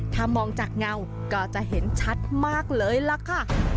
ถ้ามองจากเงาก็จะเห็นชัดมากเลยล่ะค่ะ